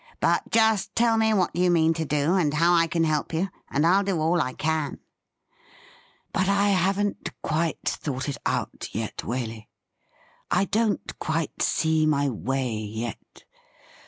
But just tell nie what you mean to do, and how I can help you, and I'll do all I can.' 'But I haven't quite thought it out yet, Waley. I don't quite see my way yet.